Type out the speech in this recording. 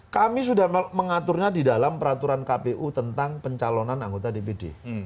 kami sudah mengaturnya di dalam peraturan kpu tentang pencalonan anggota dpd